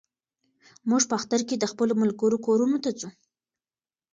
موږ په اختر کې د خپلو ملګرو کورونو ته ځو.